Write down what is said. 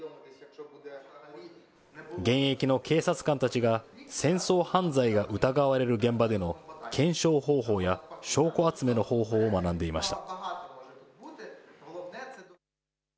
現役の警察官たちが戦争犯罪が疑われる現場での検証方法や証拠集めの方法を学んでいました。